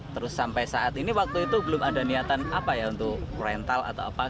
terus sampai saat ini waktu itu belum ada niatan apa ya untuk frental atau apa